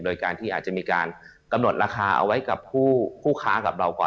โดยการที่อาจจะมีการกำหนดราคาเอาไว้กับผู้ค้ากับเราก่อน